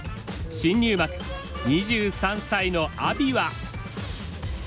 新入幕２３歳の阿炎は。